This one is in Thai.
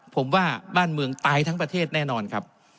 ผมว่าบ้านเมืองตายทั้งประเทศแน่นอนครับ